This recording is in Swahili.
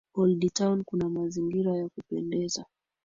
Old Town kuna mazingira ya kupendeza.